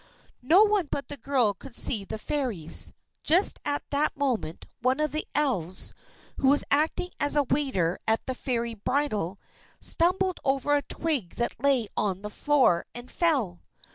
No one but the girl could see the Fairies. Just at that moment one of the Elves, who was acting as waiter at the Fairy bridal, stumbled over a twig that lay on the floor, and fell.